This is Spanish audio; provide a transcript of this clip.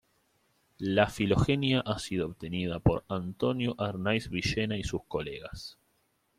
La Filogenia ha sido obtenida por Antonio Arnaiz-Villena y sus colegas.